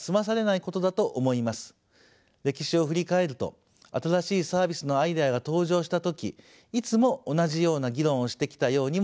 歴史を振り返ると新しいサービスのアイデアが登場した時いつも同じような議論をしてきたようにも思います。